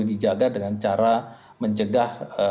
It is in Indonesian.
dijaga dengan cara menjegah